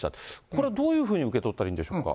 これはどういうふうに受け取ったらいいんでしょうか。